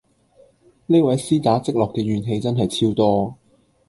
呢位絲打積落嘅怨氣真係超多